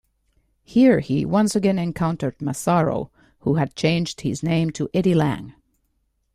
Here, he once again encountered Massaro, who had changed his name to Eddie Lang.